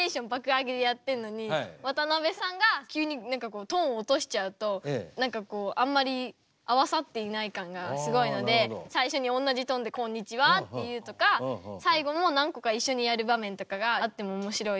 上げでやってるのに渡辺さんが急にトーン落としちゃうと何かこうあんまり合わさっていない感がすごいので最初におんなじトーンで「こんにちは！」って言うとか最後も何個か一緒にやる場面とかがあってもおもしろいかなと。